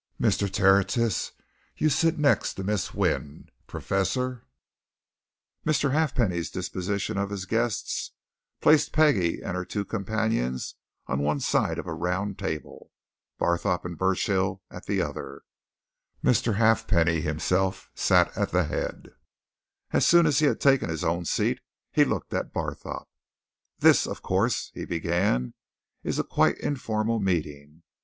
Mr. Tertius, you sit next to Miss Wynne Professor " Mr. Halfpenny's dispositions of his guests placed Peggie and her two companions on one side of a round table; Barthorpe and Burchill at the other Mr. Halfpenny himself sat at the head. And as soon as he had taken his own seat, he looked at Barthorpe. "This, of course," he began, "is a quite informal meeting.